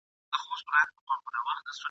د وطن په قدر مساپر ښه پوهېږي ..